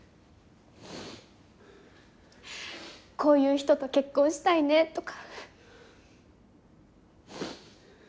こういう人と結婚したいねとか。